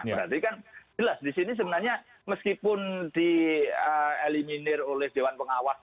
berarti kan jelas di sini sebenarnya meskipun dieliminir oleh dewan pengawas